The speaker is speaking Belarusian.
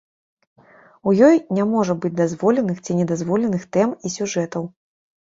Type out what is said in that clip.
У ёй не можа быць дазволеных, ці не дазволеных тэм і сюжэтаў.